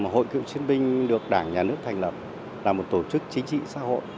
hội cựu chiến binh được đảng nhà nước thành lập là một tổ chức chính trị xã hội